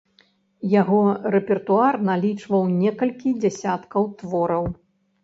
Яго рэпертуар налічваў некалькі дзясяткаў твораў.